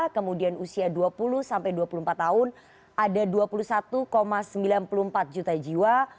kemudian usia dua puluh sampai dua puluh empat tahun ada dua puluh satu sembilan puluh empat juta jiwa